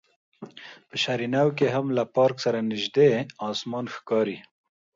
په شهر نو کې هم له پارک سره نژدې اسمان ښکاري.